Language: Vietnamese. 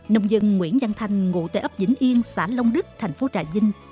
nông dân nguyễn văn thành ngụ tế ấp vĩnh yên xã long đức thành phố trà vinh